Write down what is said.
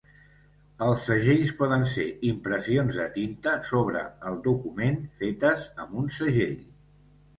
Els segells poden ser impressions de tinta sobre el document fetes amb un segell.